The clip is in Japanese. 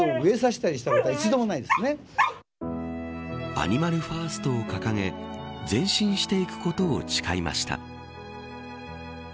アニマルファーストを掲げ前進していくことを誓いました。